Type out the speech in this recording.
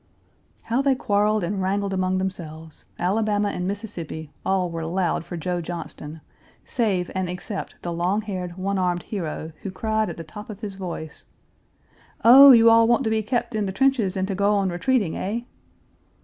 How they quarreled and wrangled among themselves Alabama and Mississippi, all were loud for Joe Johnston, save and except the long haired, one armed hero, who cried at the top of his voice: "Oh! you all want to be kept in trenches and to go on retreating, eh?"